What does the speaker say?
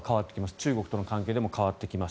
中国との関係でも変わってきます。